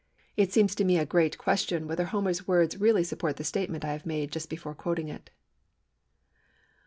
It seems to me a great question whether Homer's words really support the statement I have made just before quoting it.